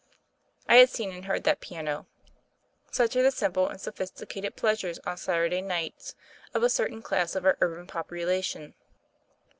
I had seen and heard that piano. Such are the simple and sophisticated pleasures on Saturday nights of a certain class of our urban population.